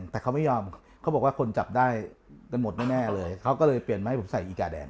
แต่เขาไม่ยอมเขาบอกว่าคนจับได้กันหมดแน่เลยเขาก็เลยเปลี่ยนมาให้ผมใส่อีกาแดง